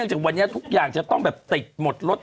จากวันนี้ทุกอย่างจะต้องแบบติดหมดรถ